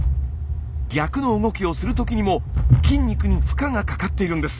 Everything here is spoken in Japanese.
逆の動きをするときにも筋肉に負荷がかかっているんです。